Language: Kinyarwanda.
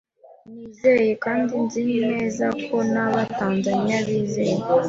Nizeye, kandi nzi neza ko n'Abatanzania bizeye